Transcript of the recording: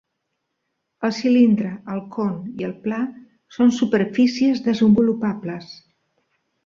El cilindre, el con i el pla són superfícies desenvolupables.